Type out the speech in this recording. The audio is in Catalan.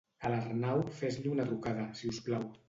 A l'Arnau fes-li una trucada, si us plau.